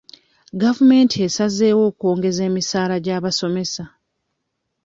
Gavumenti esazeewo okwongeza emisaala gy'abasomesa.